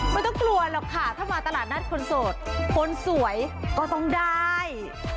ไม่ต้องกลัวหรอกค่ะถ้ามาตลาดนัดคนโสดคนสวยก็ต้องได้